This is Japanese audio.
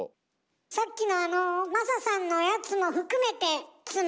さっきのあのマサさんのやつも含めておお！